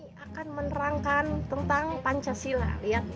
kita akan menerangkan tentang pancasila